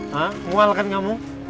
hah mual kan kamu